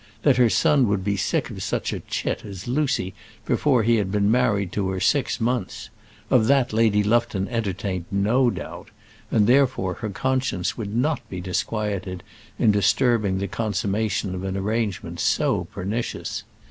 That her son would be sick of such a chit as Lucy before he had been married to her six months of that Lady Lufton entertained no doubt, and therefore her conscience would not be disquieted in disturbing the consummation of an arrangement so pernicious.